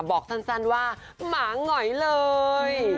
บอกสั้นว่าหมาหงอยเลย